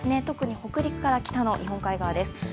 特に北陸から北の日本海側です。